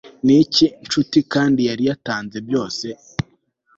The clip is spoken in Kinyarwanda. Niki nshuti Kandi yari yatanze byose